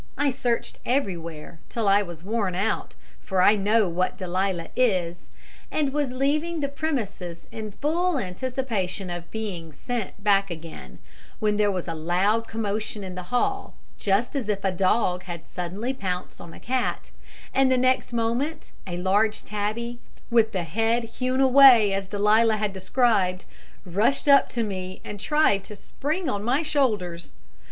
I searched everywhere till I was worn out, for I know what Delia is and was leaving the premises in full anticipation of being sent back again, when there was a loud commotion in the hall, just as if a dog had suddenly pounced on a cat, and the next moment a large tabby, with the head hewn away as Delia had described, rushed up to me and tried to spring on to my shoulders.